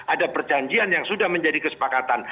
ada perjanjian yang sudah menjadi kesepakatan